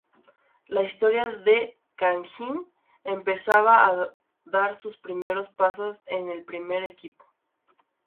La historia de Kangin empezaba a dar sus primeros pasos en el primer equipo.